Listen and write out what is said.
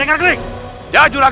ini mas siapa